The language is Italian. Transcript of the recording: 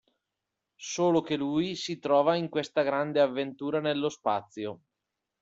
Solo che lui si trova in questa grande avventura nello spazio.